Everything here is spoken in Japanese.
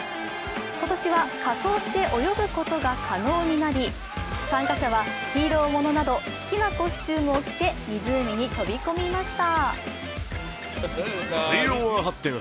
今年は仮装して泳ぐことが可能になり参加者はヒーローものなど好きなコスチュームを着て湖に飛び込みました。